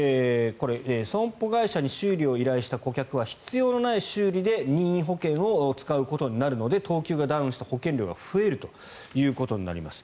損保会社に修理を依頼した顧客は必要のない修理で任意保険を使うことになるので等級がダウンして保険料が増えるということになります。